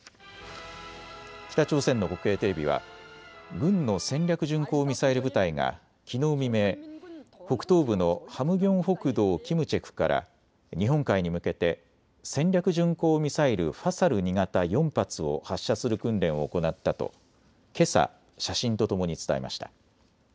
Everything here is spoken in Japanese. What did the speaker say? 北朝鮮の国営テレビは軍の戦略巡航ミサイル部隊がきのう未明、北東部のハムギョン北道キムチェクから日本海に向けて戦略巡航ミサイル、ファサル２型４発を発射する訓練を行ったとけさ写真とともに伝えました。